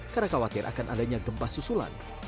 karena khawatir akan adanya gempa susulan